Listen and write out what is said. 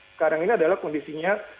sekarang ini adalah kondisinya